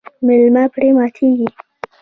میلمه پرې ماتیږي.